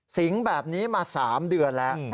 สิงแบบนี้มา๓เดือนแล้ว